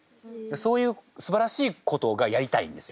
そういうすばらしいことがやりたいんですよ。